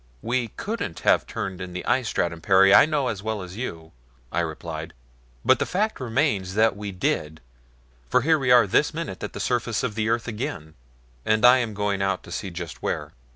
"We couldn't have turned in the ice stratum, Perry, I know as well as you," I replied; "but the fact remains that we did, for here we are this minute at the surface of the earth again, and I am going out to see just where."